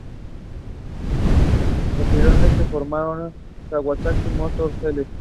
Posteriormente formaron Kawasaki Motor Sales.